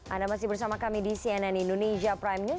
anda masih bersama kami di cnn indonesia prime news